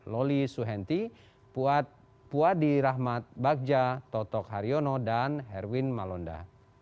loli suhenti puadi rahmat bagja totok haryono dan herwin malonda